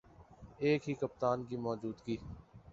ایک ہی کپتان کی موجودگی